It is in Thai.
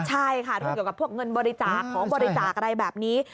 ใช่ค่ะเรื่องเกี่ยวกับพวกเงินบริจาคของบริจาคอะไรแบบนี้